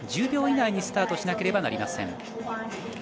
１０秒以内にスタートしなければなりません。